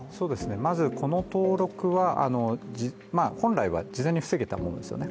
まずこの登録は、本来は事前に防げたものですよね。